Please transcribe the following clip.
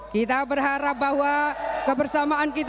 kita berharap bahwa kebersamaan kita